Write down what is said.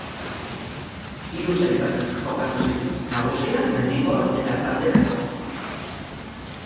Hiru sailkapen jokatu ziren: Nagusia, mendikoa eta taldekakoa.